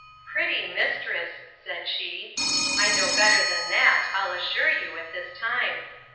Pretty mistress! said she—I know better than that, I'll assure you, at this time.